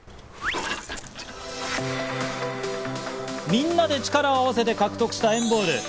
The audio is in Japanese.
みんなで力を合わせて獲得した＆ＢＡＬＬ。